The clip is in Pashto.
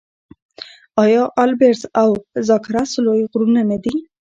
آیا البرز او زاگرس لوی غرونه نه دي؟